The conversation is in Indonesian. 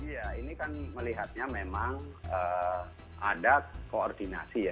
ya ini kan melihatnya memang ada koordinasi ya